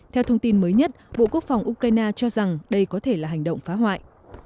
theo thông tin mới nhất bộ quốc phòng ukraine cho rằng đây có thể là hành động phá hoại